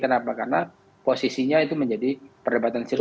kenapa karena posisinya itu menjadi perdebatan serius